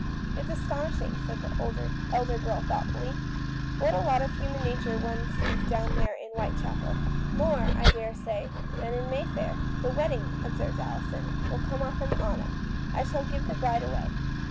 " "It's astonishing," said the elder woman thoughtfully, "what a lot of human nature one sees down there in Whitechapel." " More, I daresay, than in Mayfair." "The wedding," observed Alison, "will come off in the autumn — I shall give the bride away.